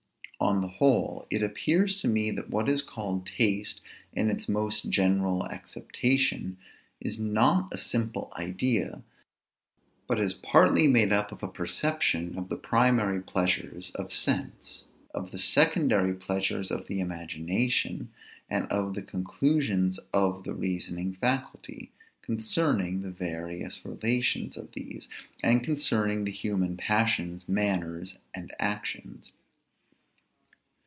On the whole, it appears to me, that what is called taste, in its most general acceptation, is not a simple idea, but is partly made up of a perception of the primary pleasures of sense, of the secondary pleasures of the imagination, and of the conclusions of the reasoning faculty, concerning the various relations of these, and concerning the human passions, manners, and actions.